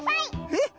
えっ？